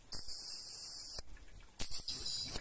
তোরা কার সাথে ঝামেলা করছিস।